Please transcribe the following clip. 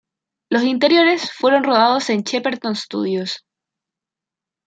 Los interiores fueron rodados en Shepperton Studios.